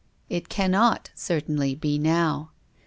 It cannot certainly be now.